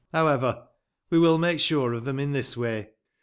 However, we will make sure of tbem in tbis way.